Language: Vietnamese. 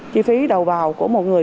chi phí đầu vào của một người